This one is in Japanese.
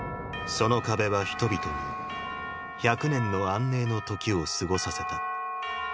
その壁は人々に１００年の安寧の時を過ごさせた。